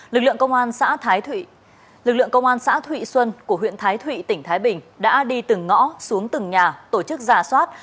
lực lượng công an xã thủy xuân của huyện thái thụy tỉnh thái bình đã đi từng ngõ xuống từng nhà tổ chức giả soát